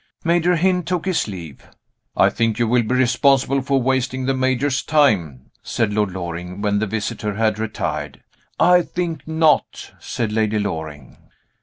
Major Hynd took his leave. "I think you will be responsible for wasting the Major's time," said Lord Loring, when the visitor had retired. "I think not," said Lady Loring.